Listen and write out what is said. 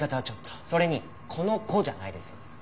それに「この子」じゃないですよ。